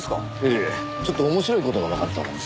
ええちょっと面白い事がわかったものですから。